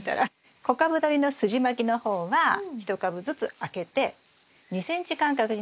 小株どりのすじまきの方は１株ずつ空けて２ｃｍ間隔になるようにします。